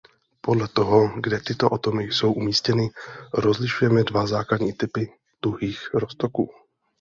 Podle toho kde tyto atomy jsou umístěny rozlišujeme dva základní typy tuhých roztoků.